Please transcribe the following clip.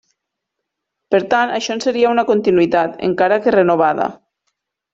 Per tant això en seria una continuïtat, encara que renovada.